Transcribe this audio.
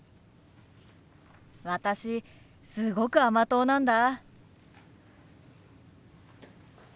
私すごく甘党なんだ。